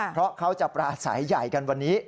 เพราะเขาจะปราศัยใหญ่กันวันนี้